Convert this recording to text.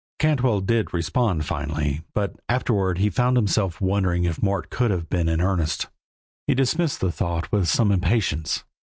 Cantwell did respond finally, but afterward he found himself wondering if Mort could have been in earnest. He dismissed the thought with some impatience.